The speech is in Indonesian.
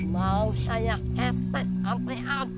mau saya ketek antrean